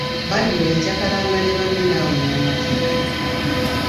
Badru yakyakalanga ne banne naawe n'omatira.